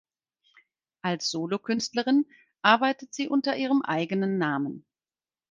Als Solokünstlerin arbeitet sie unter ihrem eigenen Namen.